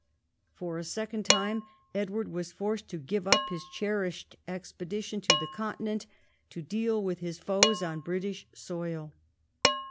For a second time Edward was forced to give up his cherished expedition to the Continent to deal with his foes on British soil.